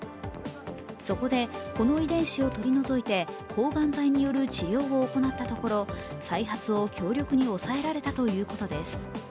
そこで、この遺伝子を取り除いて抗がん剤による治療を行ったところ、再発を強力に抑えれたということです。